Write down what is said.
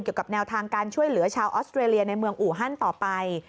เกี่ยวกับแนวทางการช่วยเหลือชาวออสเตรเลียในเมืองอูฮันต่อไป